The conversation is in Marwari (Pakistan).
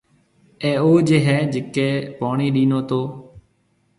اَي او جيَ هيَ جڪَي پوڻِي ڏِينو تو۔